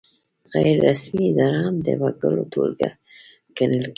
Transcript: غیر رسمي اداره هم د وګړو ټولګه ګڼل کیږي.